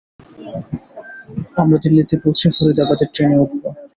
আমরা দিল্লিতে পৌঁছে ফরিদাবাদের ট্রেনে উঠবো।